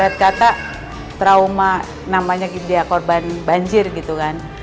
nggak trauma namanya gitu ya korban banjir gitu kan